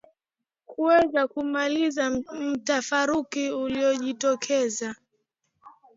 kuweza kumaliza mtafaruku uliojitokeza